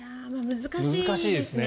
難しいですね。